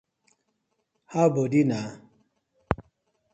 How bodi na?